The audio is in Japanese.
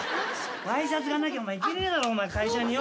ワイシャツがなきゃ行けねえだろ会社によ。